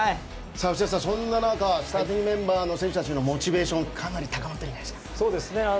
内田さん、そんな中スターティングメンバーの選手たちのモチベーションは、かなり高まっているんじゃないんですか？